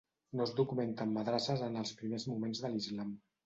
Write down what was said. No es documenten madrasses en els primers moments de l'islam.